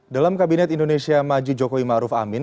dalam kabinet indonesia maju joko ima'ruf amin